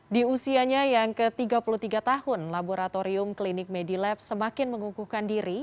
di usianya yang ke tiga puluh tiga tahun laboratorium klinik medilab semakin mengukuhkan diri